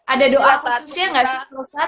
ada doa putusnya gak sih sholat